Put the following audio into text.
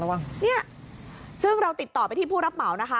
เนี่ยซึ่งเราติดต่อไปที่ผู้รับเหมานะคะ